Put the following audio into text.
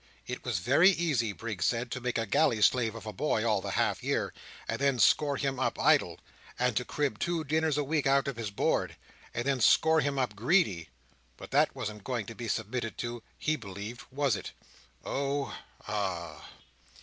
It was very easy, Briggs said, to make a galley slave of a boy all the half year, and then score him up idle; and to crib two dinners a week out of his board, and then score him up greedy; but that wasn't going to be submitted to, he believed, was it? Oh! Ah!